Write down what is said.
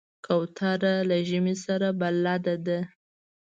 کوتره له ژمي سره بلد ده.